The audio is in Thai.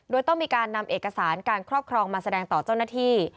โดยต้องมีการนำเอกสารการครอบครองมาแสดงต่อเจ้าหน้าที่